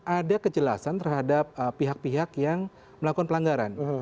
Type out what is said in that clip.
ada kejelasan terhadap pihak pihak yang melakukan pelanggaran